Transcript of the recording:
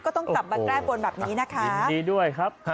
ก็ต้องกลับมาแก้บนแบบนี้นะคะยินดีด้วยครับ